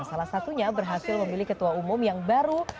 salah satunya berhasil memilih ketua umum yang baru